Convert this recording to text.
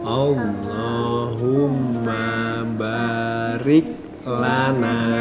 allahumma barik lana